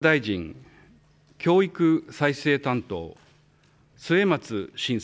文部科学大臣、教育再生担当、末松信介